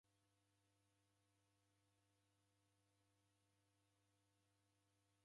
W'andu w'engi w'itesekiagha kwa ugho mpango.